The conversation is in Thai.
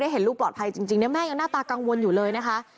ได้เห็นลูกปลอดภัยจริงจริงเนี่ยแม่ยังหน้าตากังวลอยู่เลยนะคะ